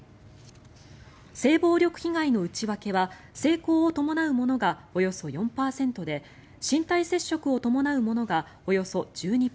性暴力被害の内訳は性交を伴うものがおよそ４％で身体接触を伴うものがおよそ１２％